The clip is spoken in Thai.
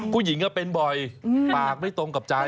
คุณหญิงก็เป็นบ่อยปากไม่ตรงกับใจ